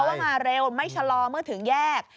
ว่ามาเร็วไม่ชะลอเมื่อถึงแยก